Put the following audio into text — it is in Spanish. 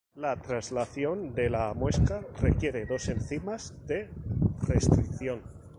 La traslación de la muesca requiere dos enzimas de restricción.